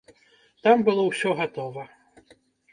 Там было ўсё гатова.